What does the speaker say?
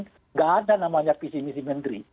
enggak ada namanya visi visi menteri